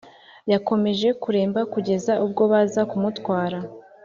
Yakomeje kuremba kugeza ubwo baza kumutwara